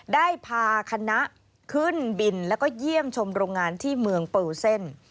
ได้พาคณะขึ้นบินแล้วก็เยี่ยมชมโรงงานที่เมืองเปอร์เซ็นต์